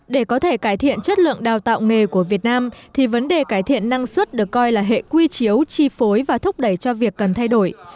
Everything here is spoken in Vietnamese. để có thể cải thiện chất lượng đào tạo nghề của việt nam thì vấn đề cải thiện năng suất được coi là hệ quy chiếu chi phối và thúc đẩy cho việc cần thay đổi